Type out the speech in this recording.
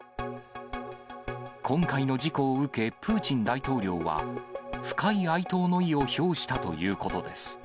今回の事故を受け、プーチン大統領は、深い哀悼の意を表したということです。